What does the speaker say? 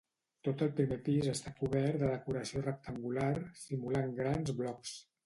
Tot el primer pis està cobert de decoració rectangular simulant grans blocs.